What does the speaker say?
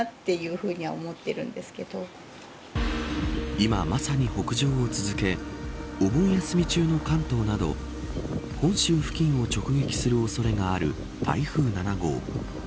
今、まさに北上を続けお盆休み中の関東など本州付近を直撃する恐れがある台風７号。